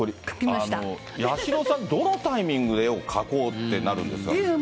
八代さん、どのタイミングで絵を描こうってなるんですか。